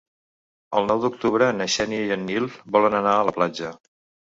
El nou d'octubre na Xènia i en Nil volen anar a la platja.